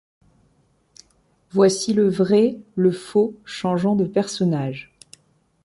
Voici le vrai, le faux, changeant de personnage